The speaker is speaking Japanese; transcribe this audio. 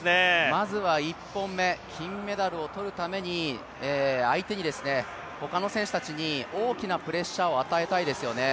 まずは１本目、金メダルを取るために、相手に、他の選手たちに大きなプレッシャーを与えたいですよね。